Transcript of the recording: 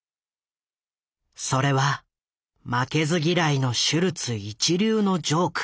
それは負けず嫌いのシュルツ一流のジョーク。